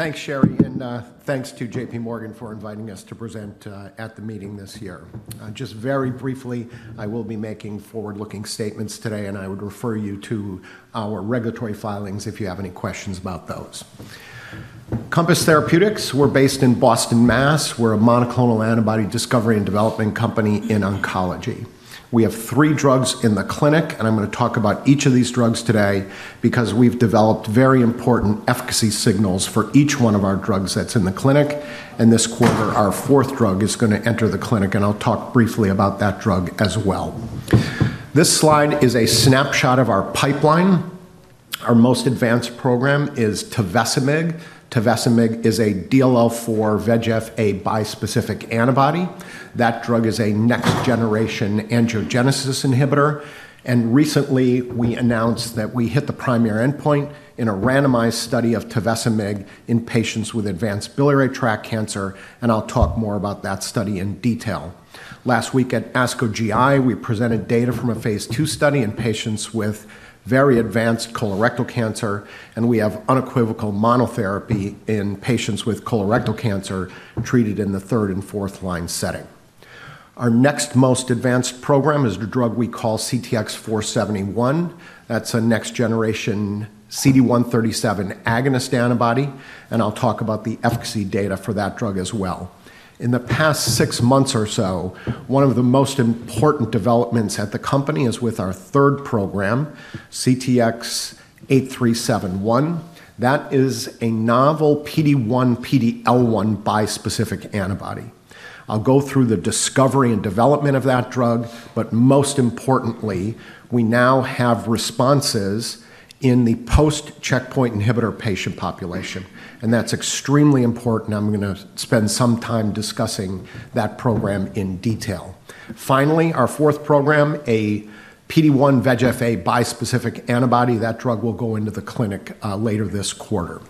Thanks, Sherry, and thanks to JPMorgan for inviting us to present at the meeting this year. Just very briefly, I will be making forward-looking statements today, and I would refer you to our regulatory filings if you have any questions about those. Compass Therapeutics, we're based in Boston, Mass. We're a monoclonal antibody discovery and development company in oncology. We have three drugs in the clinic, and I'm going to talk about each of these drugs today because we've developed very important efficacy signals for each one of our drugs that's in the clinic, and this quarter, our fourth drug is going to enter the clinic, and I'll talk briefly about that drug as well. This slide is a snapshot of our pipeline. Our most advanced program is tovecimig. Tovecimig is a DLL4/VEGF-A bispecific antibody. That drug is a next-generation angiogenesis inhibitor. Recently, we announced that we hit the primary endpoint in a randomized study of tovecimig in patients with advanced biliary tract cancer, and I'll talk more about that study in detail. Last week at ASCO GI, we presented data from a Phase II study in patients with very advanced colorectal cancer, and we have unequivocal monotherapy in patients with colorectal cancer treated in the third- and fourth-line setting. Our next most advanced program is a drug we call CTX-471. That's a next-generation CD137 agonist antibody, and I'll talk about the efficacy data for that drug as well. In the past six months or so, one of the most important developments at the company is with our third program, CTX-8371. That is a novel PD-1/PD-L1 bispecific antibody. I'll go through the discovery and development of that drug, but most importantly, we now have responses in the post-checkpoint inhibitor patient population, and that's extremely important, and I'm going to spend some time discussing that program in detail. Finally, our fourth program, a PD-1/VEGF-A bispecific antibody. That drug will go into the clinic later this quarter.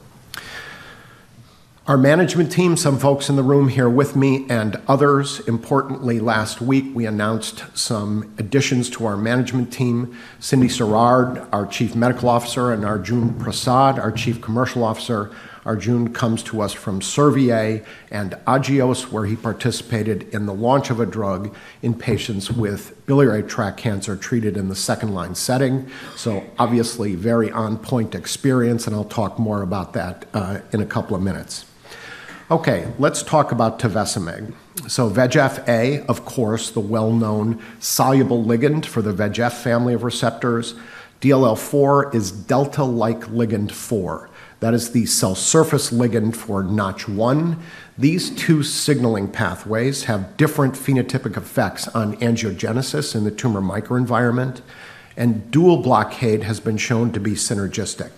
Our management team, some folks in the room here with me and others, importantly, last week we announced some additions to our management team: Cyndi Sirard, our Chief Medical Officer, and Arjun Prasad, our Chief Commercial Officer. Arjun comes to us from Servier and Agios, where he participated in the launch of a drug in patients with biliary tract cancer treated in the second-line setting. So, obviously, very on-point experience, and I'll talk more about that in a couple of minutes. Okay, let's talk about tovecimig. VEGF-A, of course, the well-known soluble ligand for the VEGF family of receptors. DLL4 is delta-like ligand 4. That is the cell surface ligand for Notch-1. These two signaling pathways have different phenotypic effects on angiogenesis in the tumor microenvironment, and dual blockade has been shown to be synergistic.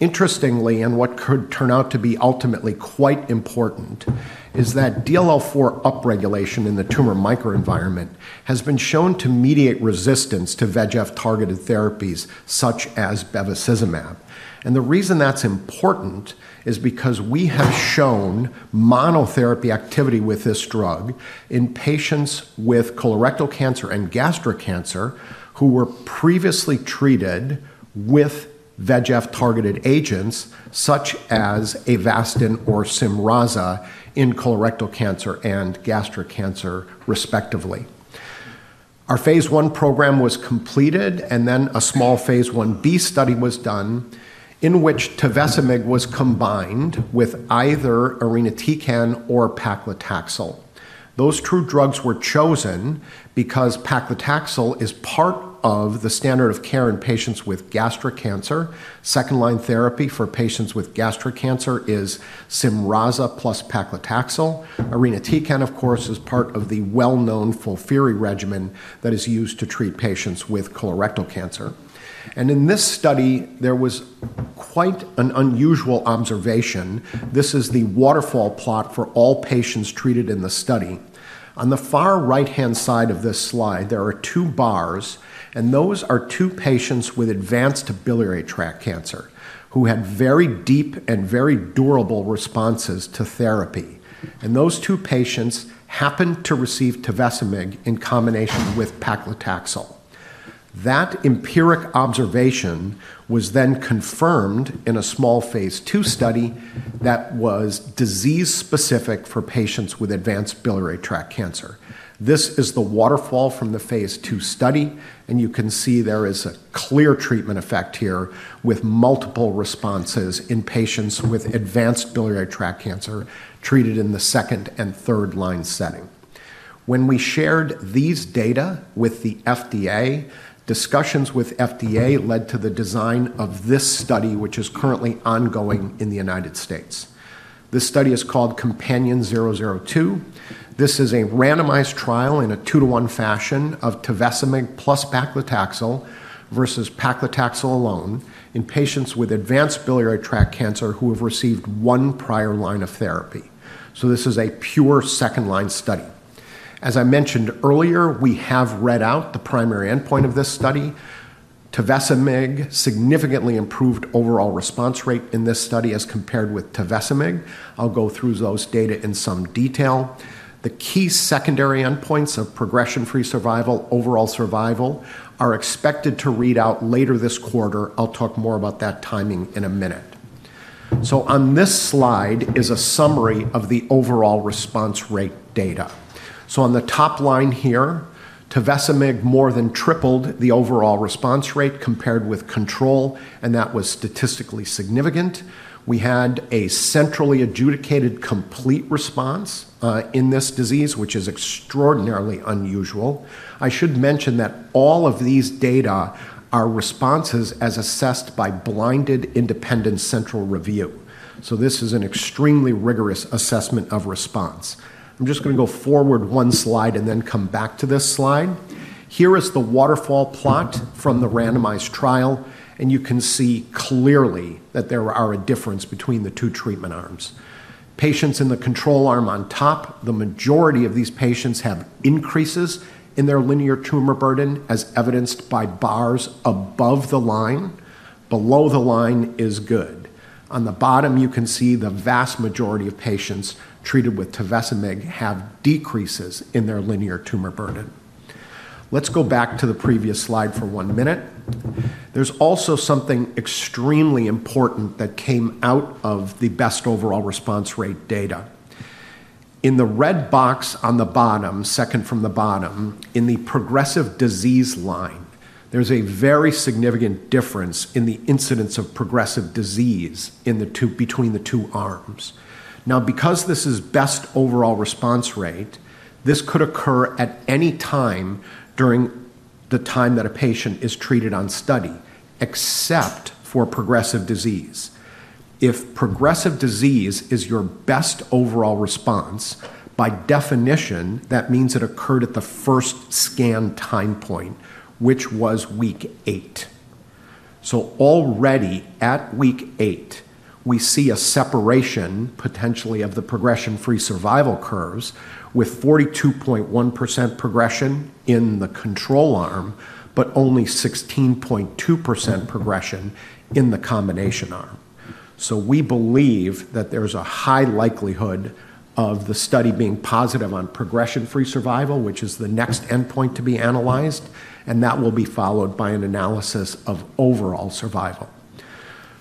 Interestingly, and what could turn out to be ultimately quite important, is that DLL4 upregulation in the tumor microenvironment has been shown to mediate resistance to VEGF-targeted therapies such as bevacizumab. The reason that's important is because we have shown monotherapy activity with this drug in patients with colorectal cancer and gastric cancer who were previously treated with VEGF-targeted agents such as Avastin or Cyramza in colorectal cancer and gastric cancer, respectively. Our Phase I program was completed, and then a small Phase Ib study was done in which tovecimig was combined with either irinotecan or paclitaxel. Those two drugs were chosen because paclitaxel is part of the standard of care in patients with gastric cancer. Second-line therapy for patients with gastric cancer is Cyramza plus paclitaxel. Irinotecan, of course, is part of the well-known FOLFIRI regimen that is used to treat patients with colorectal cancer, and in this study, there was quite an unusual observation. This is the waterfall plot for all patients treated in the study. On the far right-hand side of this slide, there are two bars, and those are two patients with advanced biliary tract cancer who had very deep and very durable responses to therapy, and those two patients happened to receive tovecimig in combination with paclitaxel. That empiric observation was then confirmed in a small Phase II study that was disease-specific for patients with advanced biliary tract cancer. This is the waterfall from the Phase II study, and you can see there is a clear treatment effect here with multiple responses in patients with advanced biliary tract cancer treated in the second- and third-line setting. When we shared these data with the FDA, discussions with FDA led to the design of this study, which is currently ongoing in the United States. This study is called COMPANION-002. This is a randomized trial in a two-to-one fashion of tovecimig plus paclitaxel versus paclitaxel alone in patients with advanced biliary tract cancer who have received one prior line of therapy. So this is a pure second-line study. As I mentioned earlier, we have read out the primary endpoint of this study. Tovecimig significantly improved overall response rate in this study as compared with tovecimig. I'll go through those data in some detail. The key secondary endpoints of progression-free survival, overall survival, are expected to read out later this quarter. I'll talk more about that timing in a minute. So on this slide is a summary of the overall response rate data. So on the top line here, tovecimig more than tripled the overall response rate compared with control, and that was statistically significant. We had a centrally adjudicated complete response in this disease, which is extraordinarily unusual. I should mention that all of these data are responses as assessed by blinded independent central review. So this is an extremely rigorous assessment of response. I'm just going to go forward one slide and then come back to this slide. Here is the waterfall plot from the randomized trial, and you can see clearly that there is a difference between the two treatment arms. Patients in the control arm on top, the majority of these patients have increases in their linear tumor burden as evidenced by bars above the line. Below the line is good. On the bottom, you can see the vast majority of patients treated with tovecimig have decreases in their linear tumor burden. Let's go back to the previous slide for one minute. There's also something extremely important that came out of the best overall response rate data. In the red box on the bottom, second from the bottom, in the progressive disease line, there's a very significant difference in the incidence of progressive disease between the two arms. Now, because this is best overall response rate, this could occur at any time during the time that a patient is treated on study, except for progressive disease. If progressive disease is your best overall response, by definition, that means it occurred at the first scan time point, which was week eight. So already at week eight, we see a separation potentially of the progression-free survival curves with 42.1% progression in the control arm, but only 16.2% progression in the combination arm. So we believe that there's a high likelihood of the study being positive on progression-free survival, which is the next endpoint to be analyzed, and that will be followed by an analysis of overall survival.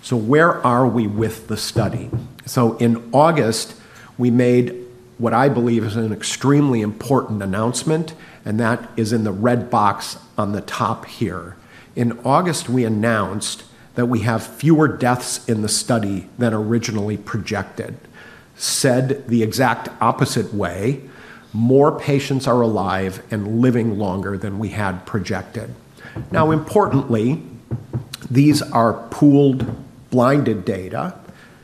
So where are we with the study? So in August, we made what I believe is an extremely important announcement, and that is in the red box on the top here. In August, we announced that we have fewer deaths in the study than originally projected, said the exact opposite way, more patients are alive and living longer than we had projected. Now, importantly, these are pooled blinded data.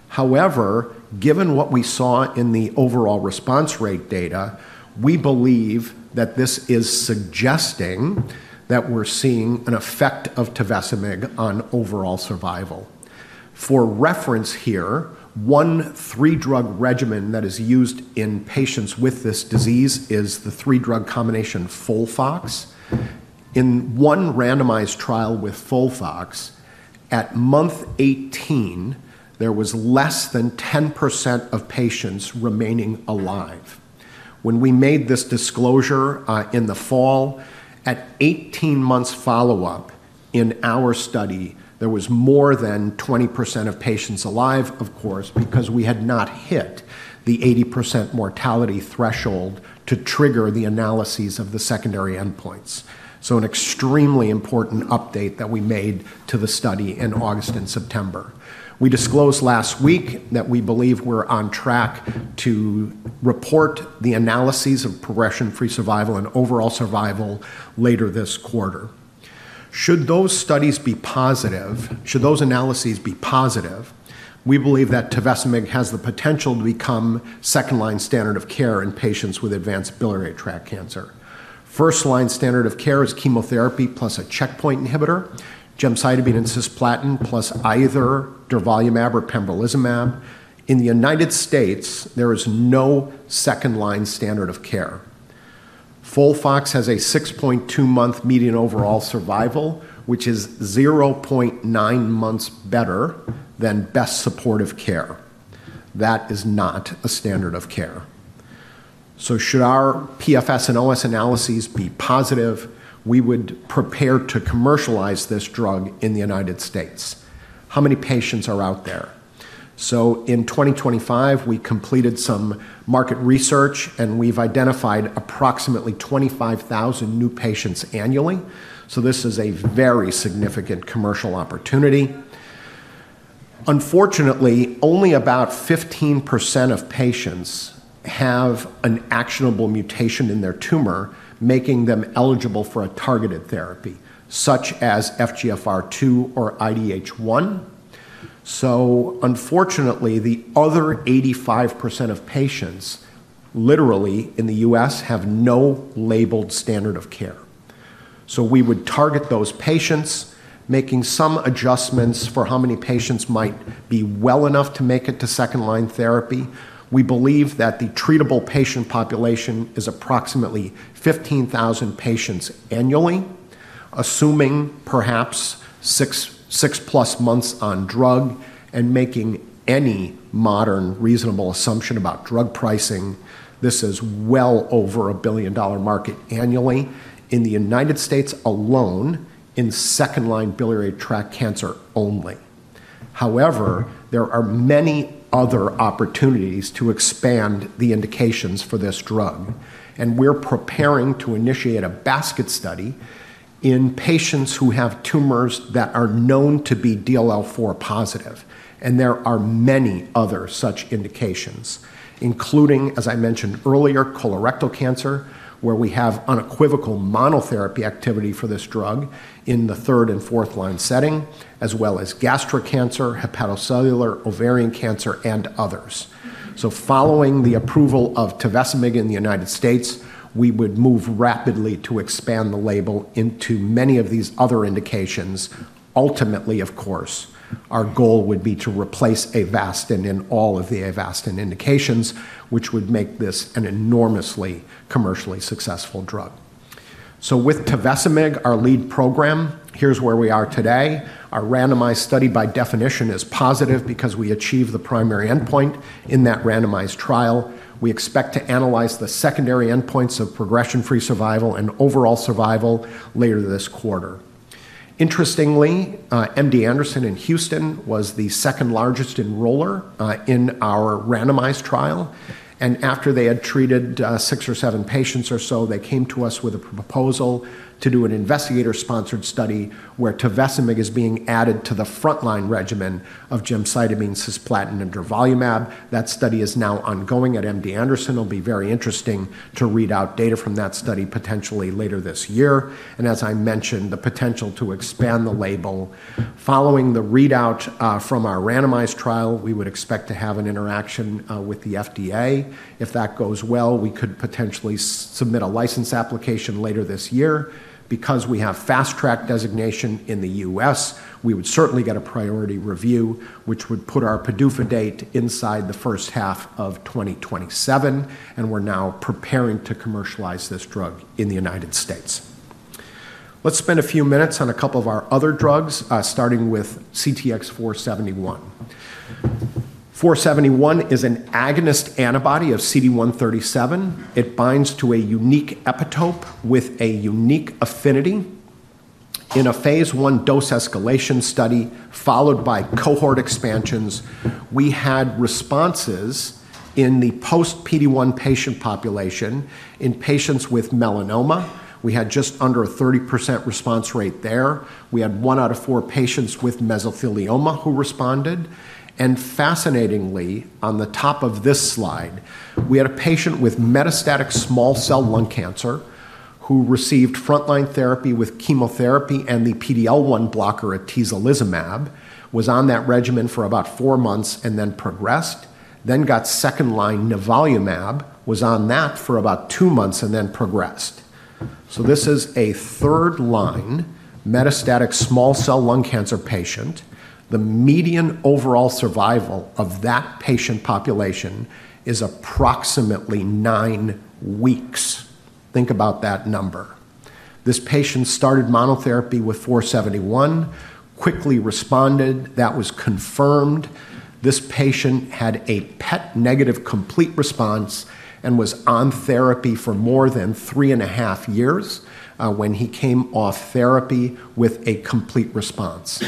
However, given what we saw in the overall response rate data, we believe that this is suggesting that we're seeing an effect of tovecimig on overall survival. For reference here, one three-drug regimen that is used in patients with this disease is the three-drug combination FOLFOX. In one randomized trial with FOLFOX, at month 18, there was less than 10% of patients remaining alive. When we made this disclosure in the fall, at 18 months follow-up in our study, there was more than 20% of patients alive, of course, because we had not hit the 80% mortality threshold to trigger the analyses of the secondary endpoints. So an extremely important update that we made to the study in August and September. We disclosed last week that we believe we're on track to report the analyses of progression-free survival and overall survival later this quarter. Should those studies be positive, should those analyses be positive, we believe that tovecimig has the potential to become second-line standard of care in patients with advanced biliary tract cancer. First-line standard of care is chemotherapy plus a checkpoint inhibitor, gemcitabine and cisplatin plus either durvalumab or pembrolizumab. In the United States, there is no second-line standard of care. FOLFOX has a 6.2-month median overall survival, which is 0.9 months better than best supportive care. That is not a standard of care. So should our PFS and OS analyses be positive, we would prepare to commercialize this drug in the United States. How many patients are out there? In 2025, we completed some market research, and we've identified approximately 25,000 new patients annually. This is a very significant commercial opportunity. Unfortunately, only about 15% of patients have an actionable mutation in their tumor, making them eligible for a targeted therapy such as FGFR2 or IDH1. Unfortunately, the other 85% of patients literally in the U.S. have no labeled standard of care. We would target those patients, making some adjustments for how many patients might be well enough to make it to second-line therapy. We believe that the treatable patient population is approximately 15,000 patients annually, assuming perhaps six-plus months on drug and making any modern reasonable assumption about drug pricing. This is well over a $1 billion market annually in the United States alone in second-line biliary tract cancer only. However, there are many other opportunities to expand the indications for this drug, and we're preparing to initiate a basket study in patients who have tumors that are known to be DLL4 positive, and there are many other such indications, including, as I mentioned earlier, colorectal cancer, where we have unequivocal monotherapy activity for this drug in the third- and fourth-line setting, as well as gastric cancer, hepatocellular, ovarian cancer, and others, so following the approval of tovecimig in the United States, we would move rapidly to expand the label into many of these other indications. Ultimately, of course, our goal would be to replace Avastin in all of the Avastin indications, which would make this an enormously commercially successful drug, so with tovecimig, our lead program, here's where we are today. Our randomized study by definition is positive because we achieved the primary endpoint in that randomized trial. We expect to analyze the secondary endpoints of progression-free survival and overall survival later this quarter. Interestingly, MD Anderson in Houston was the second largest enroller in our randomized trial, and after they had treated six or seven patients or so, they came to us with a proposal to do an investigator-sponsored study where tovecimig is being added to the front-line regimen of gemcitabine, cisplatin, and durvalumab. That study is now ongoing at MD Anderson. It'll be very interesting to read out data from that study potentially later this year, and as I mentioned, the potential to expand the label. Following the readout from our randomized trial, we would expect to have an interaction with the FDA. If that goes well, we could potentially submit a license application later this year. Because we have fast-track designation in the U.S., we would certainly get a priority review, which would put our PDUFA date inside the first half of 2027. And we're now preparing to commercialize this drug in the United States. Let's spend a few minutes on a couple of our other drugs, starting with CTX-471. 471 is an agonist antibody of CD137. It binds to a unique epitope with a unique affinity. In a Phase I dose escalation study followed by cohort expansions, we had responses in the post-PD-1 patient population in patients with melanoma. We had just under a 30% response rate there. We had one out of four patients with mesothelioma who responded. And fascinatingly, on the top of this slide, we had a patient with metastatic small cell lung cancer who received front-line therapy with chemotherapy and the PD-L1 blocker atezolizumab, was on that regimen for about four months and then progressed, then got second-line nivolumab, was on that for about two months and then progressed. So this is a third-line metastatic small cell lung cancer patient. The median overall survival of that patient population is approximately nine weeks. Think about that number. This patient started monotherapy with 471, quickly responded, that was confirmed. This patient had a PET-negative complete response and was on therapy for more than three and a half years when he came off therapy with a complete response.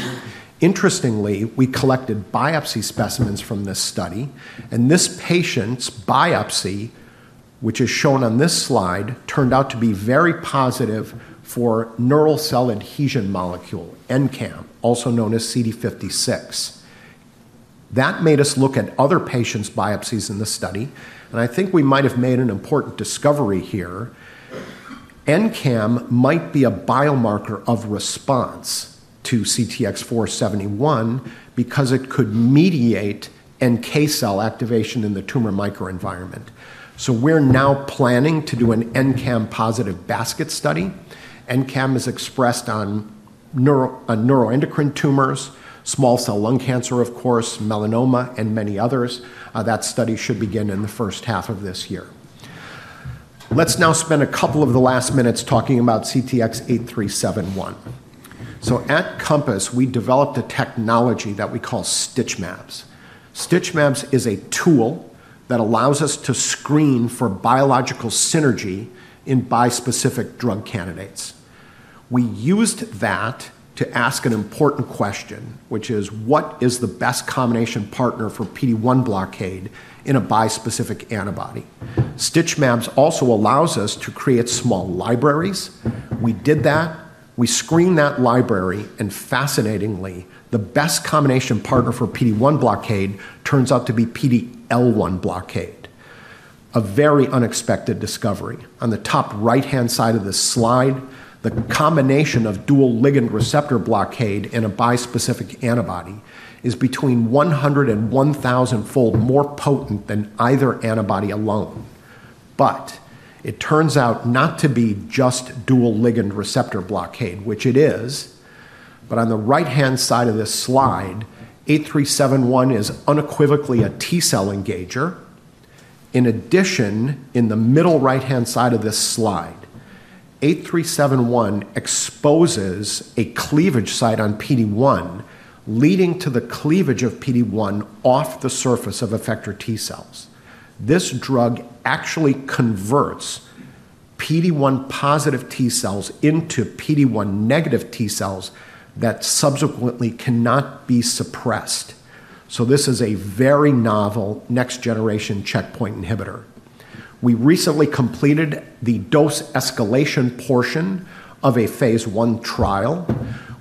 Interestingly, we collected biopsy specimens from this study, and this patient's biopsy, which is shown on this slide, turned out to be very positive for neural cell adhesion molecule, NCAM, also known as CD56. That made us look at other patients' biopsies in the study, and I think we might have made an important discovery here. NCAM might be a biomarker of response to CTX-471 because it could mediate NK cell activation in the tumor microenvironment. So we're now planning to do an NCAM-positive basket study. NCAM is expressed on neuroendocrine tumors, small cell lung cancer, of course, melanoma, and many others. That study should begin in the first half of this year. Let's now spend a couple of the last minutes talking about CTX-8371. So at Compass, we developed a technology that we call StitchMabs. StitchMabs is a tool that allows us to screen for biological synergy in bispecific drug candidates. We used that to ask an important question, which is, what is the best combination partner for PD-1 blockade in a bispecific antibody? StitchMabs also allows us to create small libraries. We did that. We screened that library, and fascinatingly, the best combination partner for PD-1 blockade turns out to be PD-L1 blockade. A very unexpected discovery. On the top right-hand side of this slide, the combination of dual ligand receptor blockade in a bispecific antibody is between 100- and 1,000-fold more potent than either antibody alone. But it turns out not to be just dual ligand receptor blockade, which it is. But on the right-hand side of this slide, 8371 is unequivocally a T cell engager. In addition, in the middle right-hand side of this slide, 8371 exposes a cleavage site on PD-1, leading to the cleavage of PD-1 off the surface of effector T cells. This drug actually converts PD-1-positive T cells into PD-1-negative T cells that subsequently cannot be suppressed. So this is a very novel next-generation checkpoint inhibitor. We recently completed the dose escalation portion of a Phase I trial.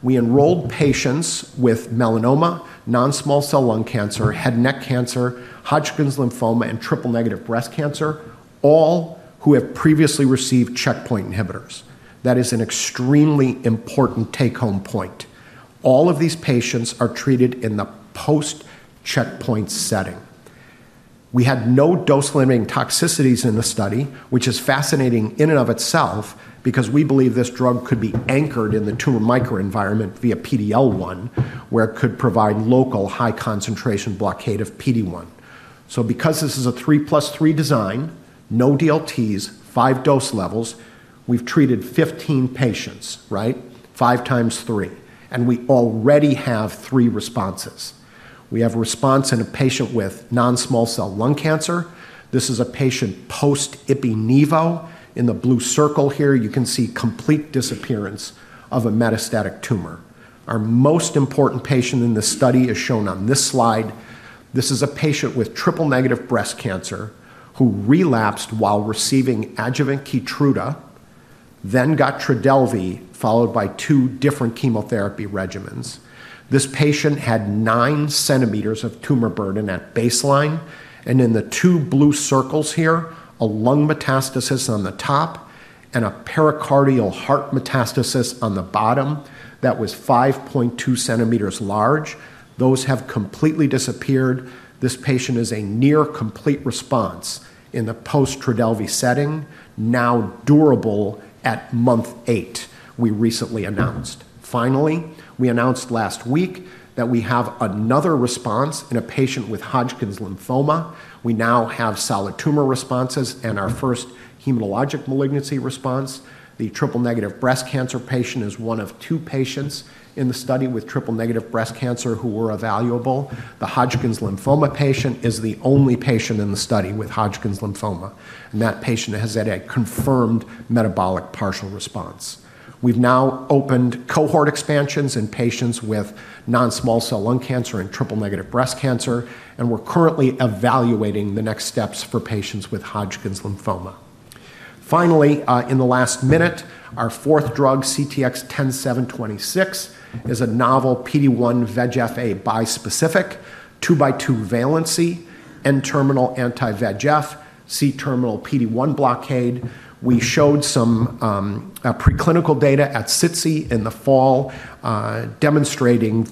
We enrolled patients with melanoma, non-small cell lung cancer, head and neck cancer, Hodgkin's lymphoma, and triple-negative breast cancer, all who have previously received checkpoint inhibitors. That is an extremely important take-home point. All of these patients are treated in the post-checkpoint setting. We had no dose-limiting toxicities in the study, which is fascinating in and of itself because we believe this drug could be anchored in the tumor microenvironment via PD-L1, where it could provide local high-concentration blockade of PD-1. So because this is a 3 plus 3 design, no DLTs, five dose levels, we've treated 15 patients, right? Five times three. And we already have three responses. We have a response in a patient with non-small cell lung cancer. This is a patient post-Ipi-Nivo. In the blue circle here, you can see complete disappearance of a metastatic tumor. Our most important patient in this study is shown on this slide. This is a patient with triple-negative breast cancer who relapsed while receiving adjuvant KEYTRUDA, then got TRODELVY, followed by two different chemotherapy regimens. This patient had 9 cm of tumor burden at baseline. And in the two blue circles here, a lung metastasis on the top and a pericardial heart metastasis on the bottom that was 5.2 cm large. Those have completely disappeared. This patient is a near-complete response in the post-TRODELVY setting, now durable at month eight, we recently announced. Finally, we announced last week that we have another response in a patient with Hodgkin's lymphoma. We now have solid tumor responses and our first hematologic malignancy response. The triple-negative breast cancer patient is one of two patients in the study with triple-negative breast cancer who were evaluable. The Hodgkin's lymphoma patient is the only patient in the study with Hodgkin's lymphoma, and that patient has had a confirmed metabolic partial response. We've now opened cohort expansions in patients with non-small cell lung cancer and triple-negative breast cancer, and we're currently evaluating the next steps for patients with Hodgkin's lymphoma. Finally, in the last minute, our fourth drug, CTX-10726, is a novel PD-1/VEGF-A bispecific, 2x2 valency, N-terminal anti-VEGF, C-terminal PD-1 blockade. We showed some preclinical data at SITC in the fall demonstrating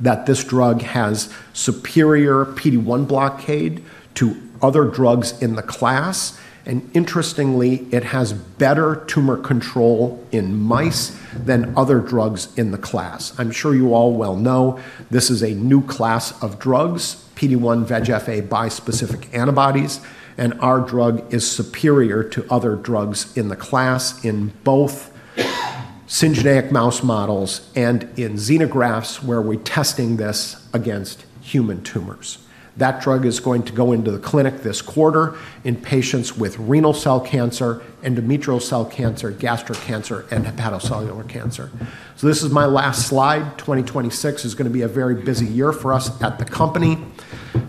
that this drug has superior PD-1 blockade to other drugs in the class. And interestingly, it has better tumor control in mice than other drugs in the class. I'm sure you all well know this is a new class of drugs, PD-1/VEGF-A bispecific antibodies, and our drug is superior to other drugs in the class in both syngeneic mouse models and in xenografts where we're testing this against human tumors. That drug is going to go into the clinic this quarter in patients with renal cell cancer, endometrial cell cancer, gastric cancer, and hepatocellular cancer. So this is my last slide. 2026 is going to be a very busy year for us at the company,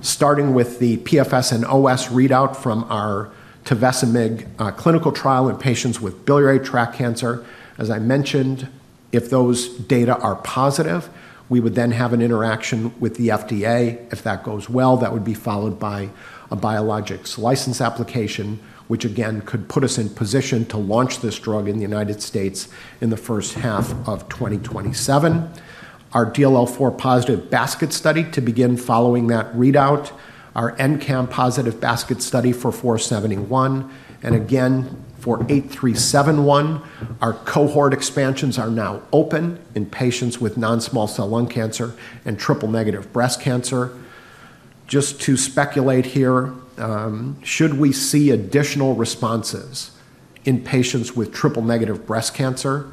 starting with the PFS and OS readout from our tovecimig clinical trial in patients with biliary tract cancer. As I mentioned, if those data are positive, we would then have an interaction with the FDA. If that goes well, that would be followed by a biologics license application, which again could put us in position to launch this drug in the United States in the first half of 2027. Our DLL4 positive basket study to begin following that readout, our NCAM positive basket study for 471. And again, for 8371, our cohort expansions are now open in patients with non-small cell lung cancer and triple-negative breast cancer. Just to speculate here, should we see additional responses in patients with triple-negative breast cancer?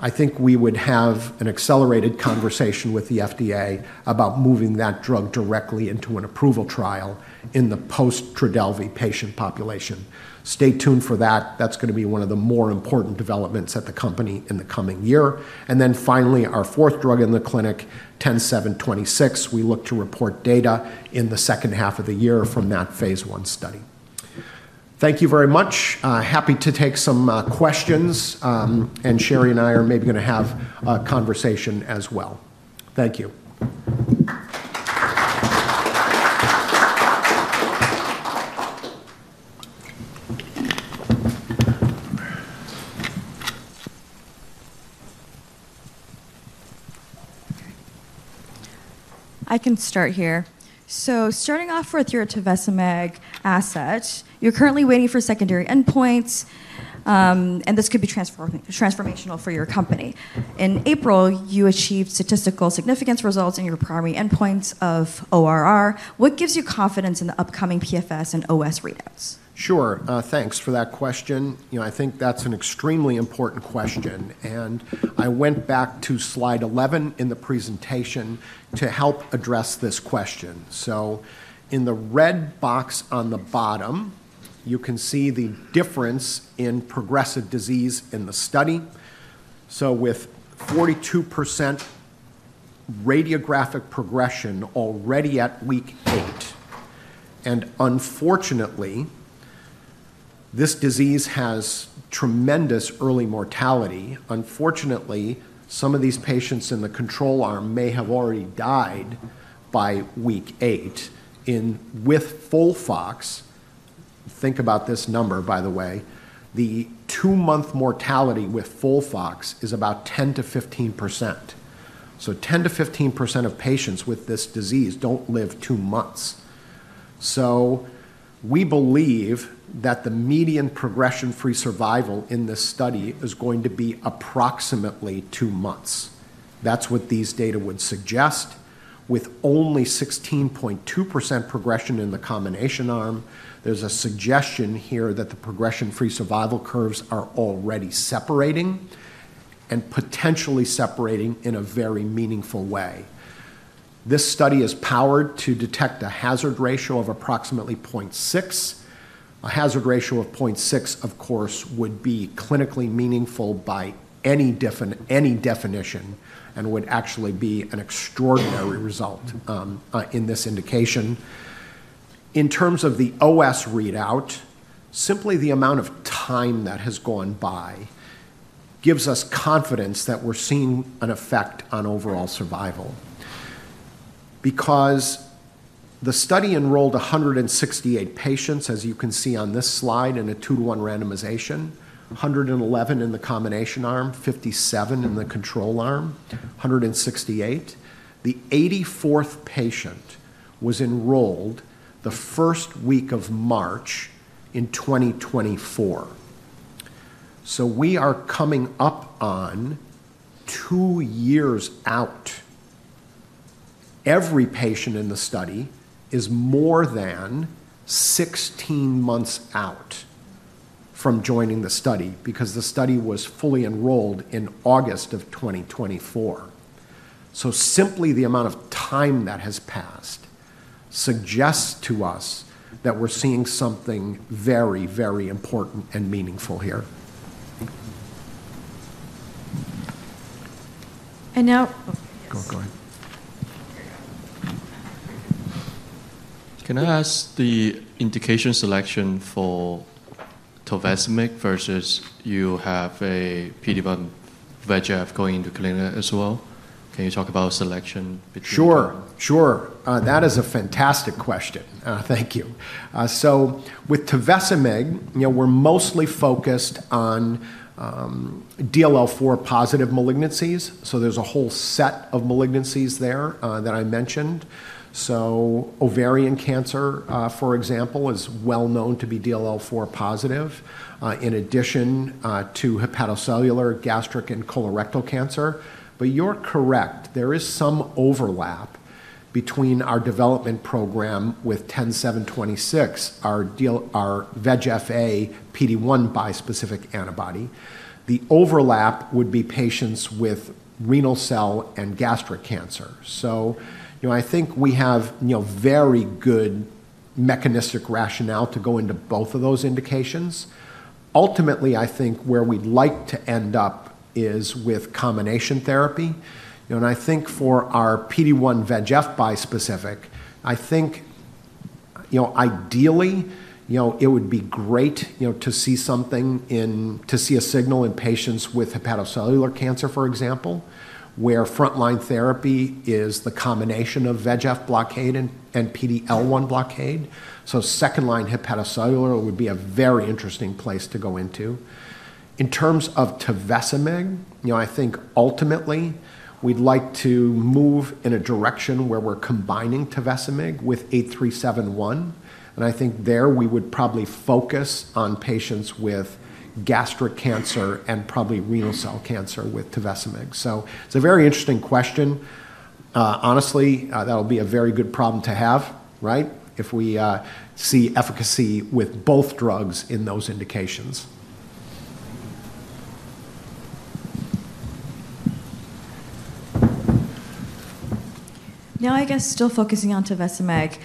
I think we would have an accelerated conversation with the FDA about moving that drug directly into an approval trial in the post-TRODELVY patient population. Stay tuned for that. That's going to be one of the more important developments at the company in the coming year. And then finally, our fourth drug in the clinic, 10726, we look to report data in the second half of the year from that Phase I study. Thank you very much. Happy to take some questions, and Sherry and I are maybe going to have a conversation as well. Thank you. I can start here. So starting off with your tovecimig asset, you're currently waiting for secondary endpoints, and this could be transformational for your company. In April, you achieved statistical significance results in your primary endpoints of ORR. What gives you confidence in the upcoming PFS and OS readouts? Sure. Thanks for that question. I think that's an extremely important question, and I went back to Slide 11 in the presentation to help address this question, so in the red box on the bottom, you can see the difference in progressive disease in the study, so with 42% radiographic progression already at week eight, and unfortunately, this disease has tremendous early mortality. Unfortunately, some of these patients in the control arm may have already died by week eight with FOLFOX. Think about this number, by the way. The two-month mortality with FOLFOX is about 10%-15%, so 10%-15% of patients with this disease don't live two months, so we believe that the median progression-free survival in this study is going to be approximately two months. That's what these data would suggest. With only 16.2% progression in the combination arm, there's a suggestion here that the progression-free survival curves are already separating and potentially separating in a very meaningful way. This study is powered to detect a hazard ratio of approximately 0.6. A hazard ratio of 0.6, of course, would be clinically meaningful by any definition and would actually be an extraordinary result in this indication. In terms of the OS readout, simply the amount of time that has gone by gives us confidence that we're seeing an effect on overall survival because the study enrolled 168 patients, as you can see on this slide, in a 2 to 1 randomization, 111 in the combination arm, 57 in the control arm, 168. The 84th patient was enrolled the first week of March in 2024, so we are coming up on two years out. Every patient in the study is more than 16 months out from joining the study because the study was fully enrolled in August of 2024. So simply the amount of time that has passed suggests to us that we're seeing something very, very important and meaningful here. And now. Go ahead. Can I ask the indication selection for tovecimig versus you have a PD-1/VEGF going into clinic as well? Can you talk about selection between? Sure. Sure. That is a fantastic question. Thank you. So with tovecimig, we're mostly focused on DLL4 positive malignancies. So there's a whole set of malignancies there that I mentioned. So ovarian cancer, for example, is well known to be DLL4 positive in addition to hepatocellular, gastric, and colorectal cancer. But you're correct. There is some overlap between our development program with 10726, our VEGF-A/PD-1 bispecific antibody. The overlap would be patients with renal cell and gastric cancer. So I think we have very good mechanistic rationale to go into both of those indications. Ultimately, I think where we'd like to end up is with combination therapy. And I think for our PD-1/VEGF bispecific, I think ideally it would be great to see a signal in patients with hepatocellular cancer, for example, where frontline therapy is the combination of VEGF blockade and PD-L1 blockade. So second line hepatocellular would be a very interesting place to go into. In terms of tovecimig, I think ultimately we'd like to move in a direction where we're combining tovecimig with 8371. And I think there we would probably focus on patients with gastric cancer and probably renal cell cancer with tovecimig. So it's a very interesting question. Honestly, that'll be a very good problem to have, right, if we see efficacy with both drugs in those indications. Now, I guess still focusing on tovecimig,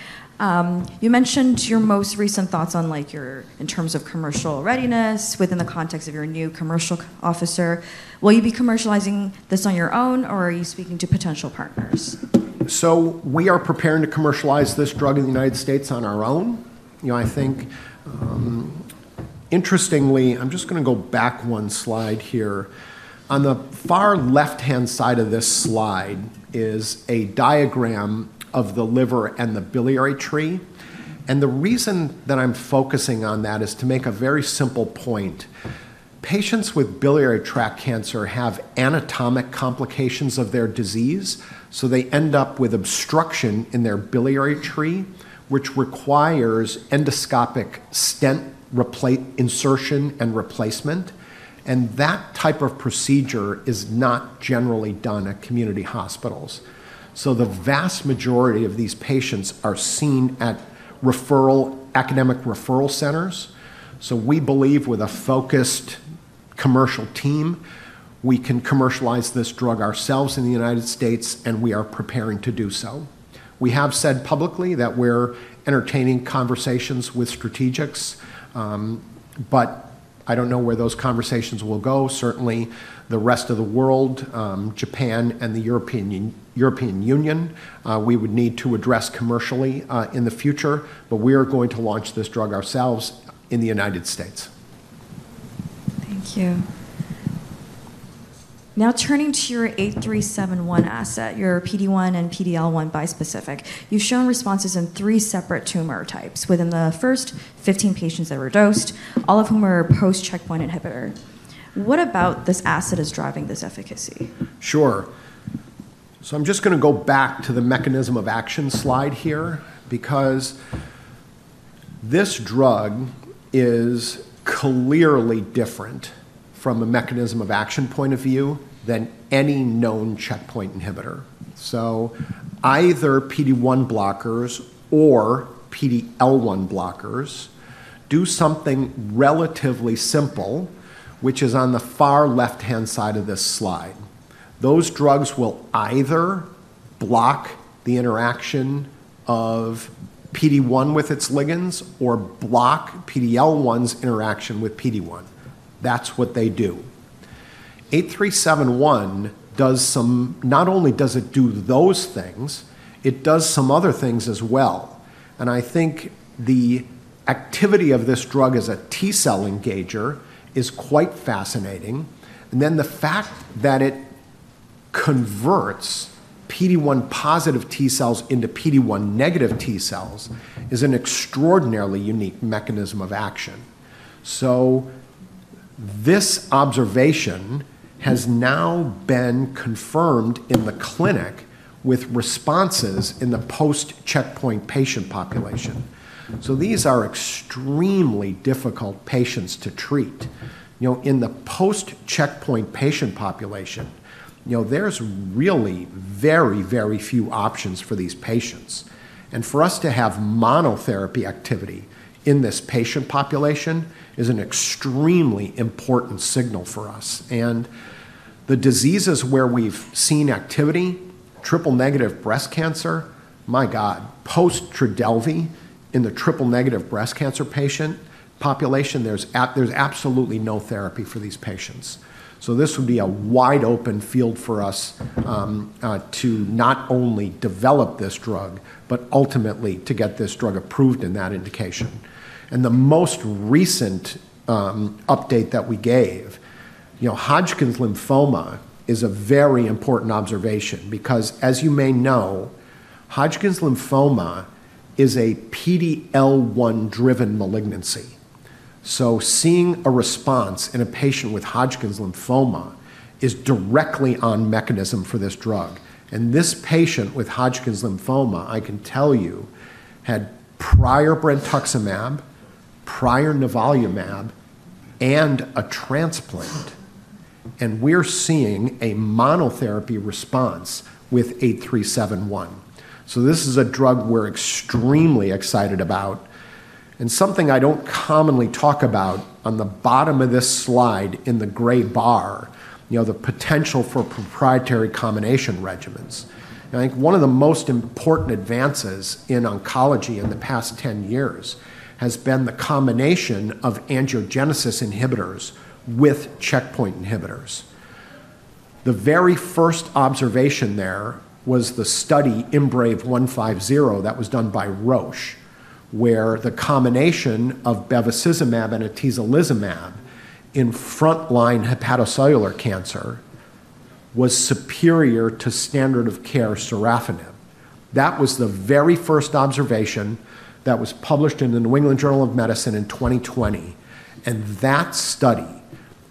you mentioned your most recent thoughts on your in terms of commercial readiness within the context of your new commercial officer. Will you be commercializing this on your own, or are you speaking to potential partners? We are preparing to commercialize this drug in the United States on our own. I think interestingly, I'm just going to go back one slide here. On the far left-hand side of this slide is a diagram of the liver and the biliary tree. The reason that I'm focusing on that is to make a very simple point. Patients with biliary tract cancer have anatomic complications of their disease, so they end up with obstruction in their biliary tree, which requires endoscopic stent insertion and replacement. That type of procedure is not generally done at community hospitals. The vast majority of these patients are seen at academic referral centers. We believe with a focused commercial team, we can commercialize this drug ourselves in the United States, and we are preparing to do so. We have said publicly that we're entertaining conversations with strategics, but I don't know where those conversations will go. Certainly, the rest of the world, Japan, and the European Union, we would need to address commercially in the future, but we are going to launch this drug ourselves in the United States. Thank you. Now turning to your 8371 asset, your PD-1 and PD-L1 bispecific, you've shown responses in three separate tumor types within the first 15 patients that were dosed, all of whom are post-checkpoint inhibitor. What about this asset is driving this efficacy? Sure. So I'm just going to go back to the mechanism of action slide here because this drug is clearly different from a mechanism of action point of view than any known checkpoint inhibitor. So either PD-1 blockers or PD-L1 blockers do something relatively simple, which is on the far left-hand side of this slide. Those drugs will either block the interaction of PD-1 with its ligands or block PD-L1's interaction with PD-1. That's what they do. 8371 does. Not only does it do those things, it does some other things as well. And I think the activity of this drug as a T cell engager is quite fascinating. And then the fact that it converts PD-1 positive T cells into PD-1 negative T cells is an extraordinarily unique mechanism of action. So this observation has now been confirmed in the clinic with responses in the post-checkpoint patient population. So these are extremely difficult patients to treat. In the post-checkpoint patient population, there's really very, very few options for these patients. And for us to have monotherapy activity in this patient population is an extremely important signal for us. And the diseases where we've seen activity, triple-negative breast cancer, my God, post-TRODELVY in the triple-negative breast cancer patient population, there's absolutely no therapy for these patients. So this would be a wide open field for us to not only develop this drug, but ultimately to get this drug approved in that indication. And the most recent update that we gave, Hodgkin's lymphoma is a very important observation because, as you may know, Hodgkin's lymphoma is a PD-L1-driven malignancy. So seeing a response in a patient with Hodgkin's lymphoma is directly on mechanism for this drug. This patient with Hodgkin's lymphoma, I can tell you, had prior brentuximab, prior nivolumab, and a transplant. We're seeing a monotherapy response with 8371. This is a drug we're extremely excited about. Something I don't commonly talk about on the bottom of this slide in the gray bar, the potential for proprietary combination regimens. I think one of the most important advances in oncology in the past 10 years has been the combination of angiogenesis inhibitors with checkpoint inhibitors. The very first observation there was the study IMbrave150 that was done by Roche, where the combination of bevacizumab and atezolizumab in frontline hepatocellular cancer was superior to standard of care sorafenib. That was the very first observation that was published in the New England Journal of Medicine in 2020. That study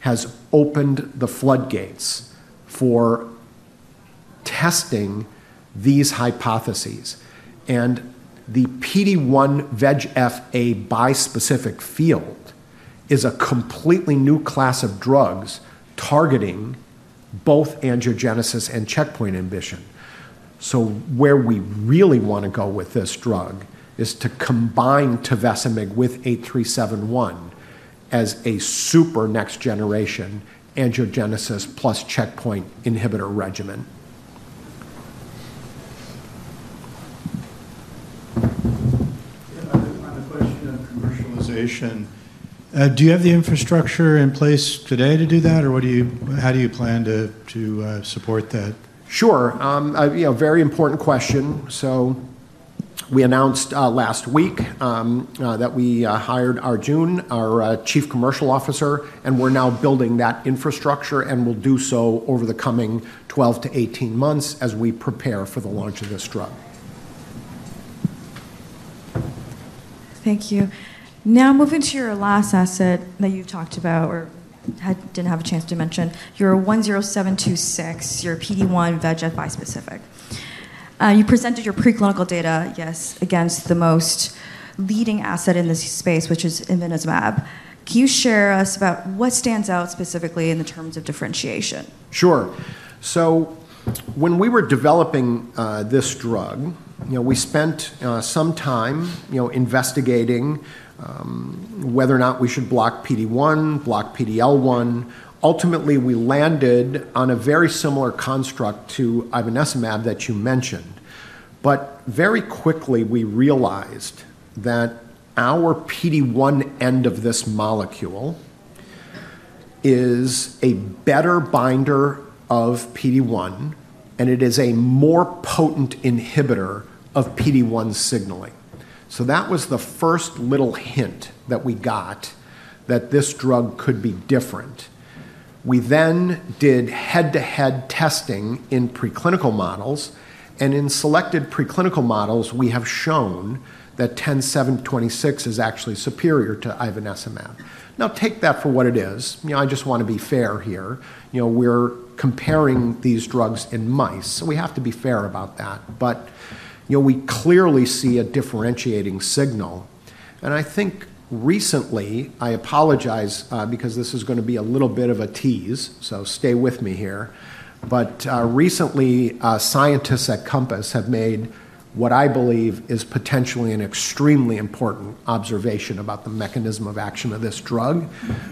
has opened the floodgates for testing these hypotheses. The PD-1/VEGF-A bispecific field is a completely new class of drugs targeting both angiogenesis and checkpoint inhibition. Where we really want to go with this drug is to combine tovecimig with 8371 as a super next-generation angiogenesis plus checkpoint inhibitor regimen. On the question of commercialization, do you have the infrastructure in place today to do that, or how do you plan to support that? Sure. Very important question. So we announced last week that we hired Arjun, our Chief Commercial Officer, and we're now building that infrastructure and will do so over the coming 12-18 months as we prepare for the launch of this drug. Thank you. Now moving to your last asset that you've talked about or didn't have a chance to mention. Your CTX-10726, your PD-1/VEGF bispecific. You presented your preclinical data, yes, against the most leading asset in this space, which is ivonescimab. Can you share us about what stands out specifically in the terms of differentiation? Sure. So when we were developing this drug, we spent some time investigating whether or not we should block PD-1, block PD-L1. Ultimately, we landed on a very similar construct to ivonescimab that you mentioned. But very quickly, we realized that our PD-1 end of this molecule is a better binder of PD-1, and it is a more potent inhibitor of PD-1 signaling. So that was the first little hint that we got that this drug could be different. We then did head-to-head testing in preclinical models. And in selected preclinical models, we have shown that 10726 is actually superior to ivonescimab. Now, take that for what it is. I just want to be fair here. We're comparing these drugs in mice, so we have to be fair about that. But we clearly see a differentiating signal. And I think recently, I apologize because this is going to be a little bit of a tease, so stay with me here. But recently, scientists at Compass have made what I believe is potentially an extremely important observation about the mechanism of action of this drug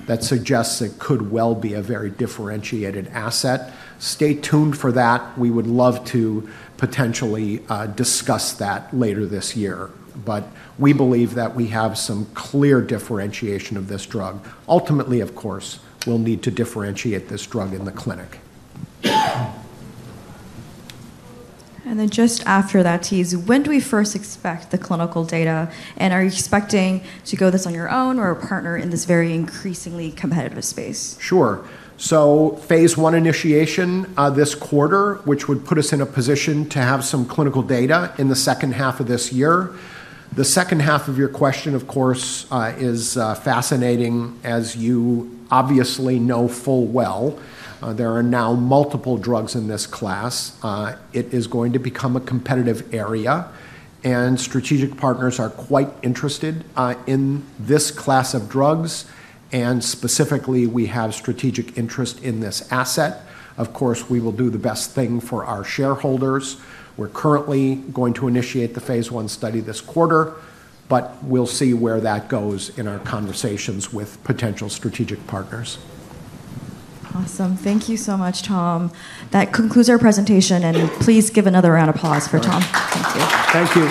that suggests it could well be a very differentiated asset. Stay tuned for that. We would love to potentially discuss that later this year. But we believe that we have some clear differentiation of this drug. Ultimately, of course, we'll need to differentiate this drug in the clinic. And then just after that tease, when do we first expect the clinical data? And are you expecting to go this alone or a partner in this very increasingly competitive space? Sure. So Phase I initiation this quarter, which would put us in a position to have some clinical data in the second half of this year. The second half of your question, of course, is fascinating, as you obviously know full well. There are now multiple drugs in this class. It is going to become a competitive area. And strategic partners are quite interested in this class of drugs. And specifically, we have strategic interest in this asset. Of course, we will do the best thing for our shareholders. We're currently going to initiate the Phase I study this quarter, but we'll see where that goes in our conversations with potential strategic partners. Awesome. Thank you so much, Tom. That concludes our presentation. And please give another round of applause for Tom. Thank you. Thank you.